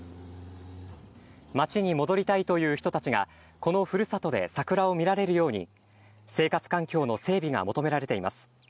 町に戻りたいという人たちが、このふるさとで桜を見られるように、生活環境の整備が求められています。